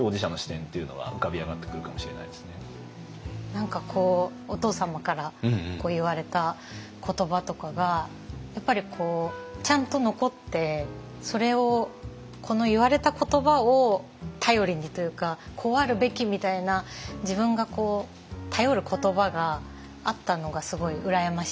何かこうお父様から言われた言葉とかがやっぱりちゃんと残ってそれをこの言われた言葉を頼りにというかこうあるべきみたいな自分が頼る言葉があったのがすごい羨ましいなと思いました。